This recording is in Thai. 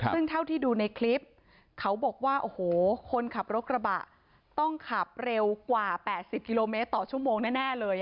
ซึ่งเท่าที่ดูในคลิปเขาบอกว่าโอ้โหคนขับรถกระบะต้องขับเร็วกว่า๘๐กิโลเมตรต่อชั่วโมงแน่เลย